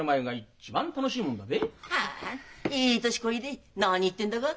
はあいい年こいで何言ってんだか。